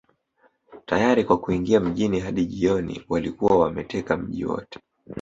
Tayari kwa kuingia mjini Hadi jioni walikuwa wameteka mji wote